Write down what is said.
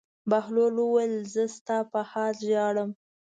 بهلول وویل: زه ستا په حال ژاړم.